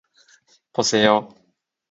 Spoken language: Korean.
보세요.